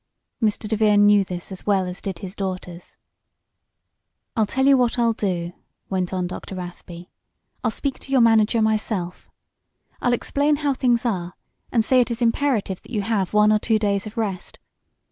Mr. DeVere knew this as well as did his daughters. "I'll tell you what I'll do," went on Dr. Rathby. "I'll speak to your manager myself. I'll explain how things are, and say it is imperative that you have one or two days of rest.